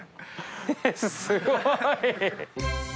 ─舛すごい。